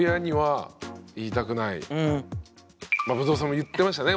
ブドウさんも言ってましたね